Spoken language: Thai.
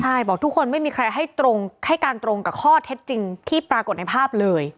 ใช่บอกทุกคนไม่มีใครให้ตรงให้การตรงกับข้อเท็จจริงที่ปรากฏในภาพเลย